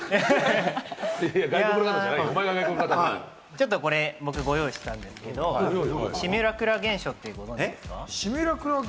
ちょっとこれ僕、ご用意したんですけれども、シミュラクラ現象ってご存じですか？